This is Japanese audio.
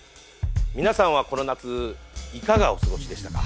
皆さんはこの夏いかがお過ごしでしたか？